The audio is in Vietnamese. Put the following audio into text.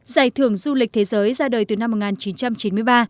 giải thưởng du lịch thế giới ra đời từ năm một nghìn chín trăm chín mươi ba